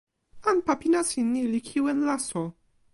anpa pi nasin ni li kiwen laso.